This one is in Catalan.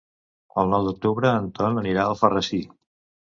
El nou d'octubre en Ton anirà a Alfarrasí.